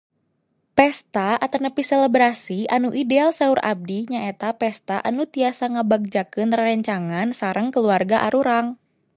Pesta atanapi selebrasi anu ideal saur abdi nyaeta pesta anu tiasa ngabagjakeun rerencangan sareng keluarga arurang.